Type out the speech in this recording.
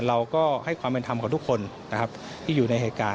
เราก็ให้ความเป็นธรรมกับทุกคนนะครับที่อยู่ในเหตุการณ์